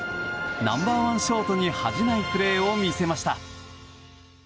ナンバー１ショートに恥じないプレーを見せました。